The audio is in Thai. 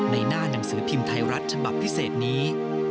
หน้าหนังสือพิมพ์ไทยรัฐฉบับพิเศษนี้